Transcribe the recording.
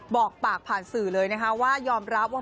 บอกปากผ่านสื่อเลยนะคะว่ายอมรับว่า